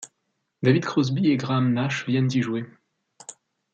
David Crosby et Graham Nash viennent y jouer.